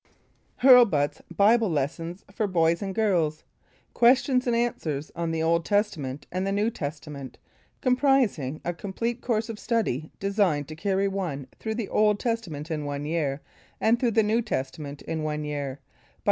RLBUT'S BIBLE LESSONS FOR BOYS AND GIRLS QUESTIONS AND ANSWERS ON The Old Testament and the New Testament COMPRISING A COMPLETE COURSE OF STUDY Designed to carry one through the Old Testament in one year, and through the New Testament in one year BY REV.